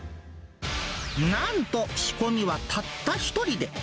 なんと、仕込みはたった一人で。